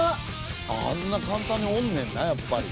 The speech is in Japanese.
あんな簡単におんねんなやっぱり。